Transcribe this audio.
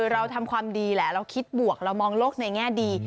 เราทำความดีแหละเราคิดบวกเรามองโลกในแง่ดี